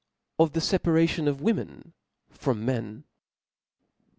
Of the Separation of Women from Men.